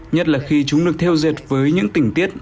nhất là khi chúng được theo dệt với những tỉnh tiết